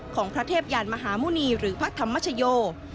ของพระเทพยานมหาหมุณีหรือพระธรรมชโย